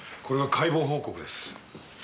これが解剖報告です。